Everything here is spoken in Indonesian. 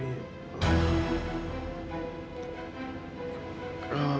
ya allah taufan